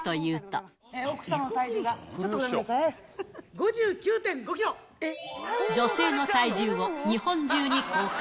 奥様の体重が、ちょっとすみ女性の体重を日本中に公開。